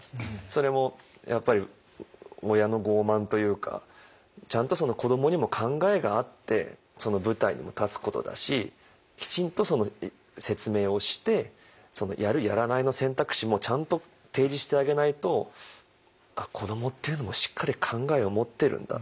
それもやっぱり親の傲慢というかちゃんと子どもにも考えがあって舞台にも立つことだしきちんとその説明をしてやるやらないの選択肢もちゃんと提示してあげないと子どもっていうのもしっかり考えを持ってるんだ